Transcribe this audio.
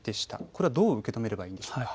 これはどう受け止めればいいんでしょうか。